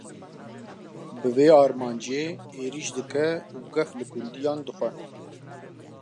Bi vê armancê, êrîş dike û gef li gundiyan dixwe